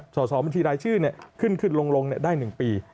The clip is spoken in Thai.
สอบบัญชีรายชื่อขึ้นขึ้นลงได้๑ปี